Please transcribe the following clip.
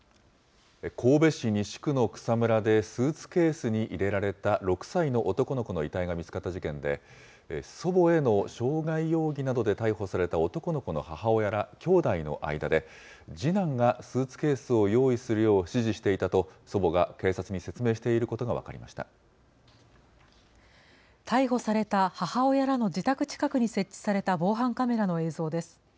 神戸市西区の草むらでスーツケースに入れられた６歳の男の子の遺体が見つかった事件で、祖母への傷害容疑などで逮捕された男の子の母親らきょうだいの間で、次男がスーツケースを用意するよう指示していたと、祖母が警察に説明逮捕された母親らの自宅近くに設置された防犯カメラの映像です。